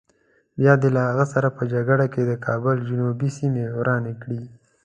بیا دې له هغه سره په جګړه کې د کابل جنوبي سیمې ورانې کړې.